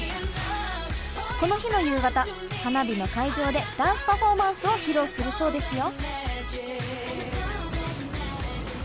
この日の夕方花火の会場でダンスパフォーマンスを披露するそうですよ。